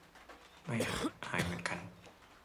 ไม่ฮะ หายเหมือนกัน